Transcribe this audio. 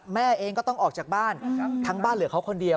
แม่เองก็ต้องออกจากบ้านทั้งบ้านเหลือเขาคนเดียว